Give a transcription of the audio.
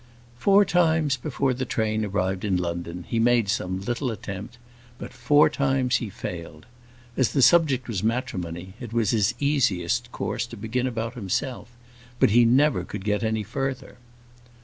Four times before the train arrived in London, he made some little attempt; but four times he failed. As the subject was matrimony, it was his easiest course to begin about himself; but he never could get any further.